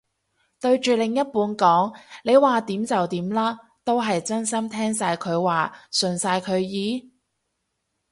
對住另一半講你話點就點啦，都係真心聽晒佢話順晒佢意？